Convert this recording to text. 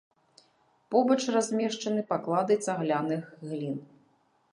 Побач размешчаны паклады цагляных глін.